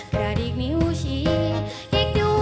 กระดิกนิ้วชีอีกด้วยน่ะเธอ